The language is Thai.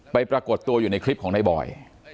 ปรากฏตัวอยู่ในคลิปของในบอย